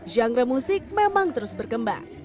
genre musik memang terus berkembang